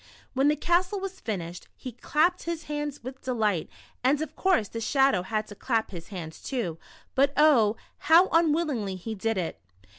When the castle was finished, he clapped his hands with delight, and of course the Shadow had to clap his hands too, but oh, how un willingly he did it.